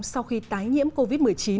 sau khi tái nhiễm covid một mươi chín